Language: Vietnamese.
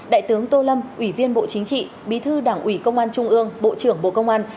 đại tướng tô lâm ủy viên bộ chính trị bí thư đảng ủy công an trung ương bộ trưởng bộ công an